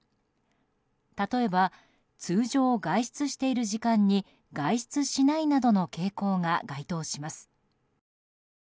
例えば通常、外出している時間に外出しないなどの傾向が該当します。